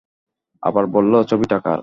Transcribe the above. আবার বলল, ছবিটা কার?